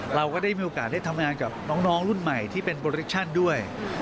เราก็ได้มีโอกาสได้ทำงานกับน้องรุ่นใหม่ที่เป็นโปรดิคชั่นด้วย